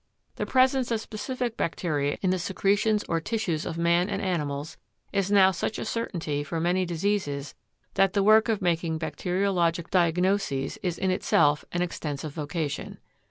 The presence of specific bacteria in the secretions or tissues of man and animals is now such a certainty for many diseases that the work of making bacteriologic diagnoses is in itself an extensive vocation.